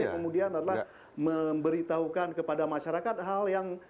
kemudian adalah memberitahukan kepada masyarakat hal yang